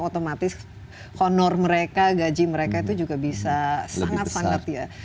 otomatis honor mereka gaji mereka itu juga bisa sangat sangat ya